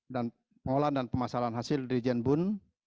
dan pengolahan dan pemasaran hasil dari jambun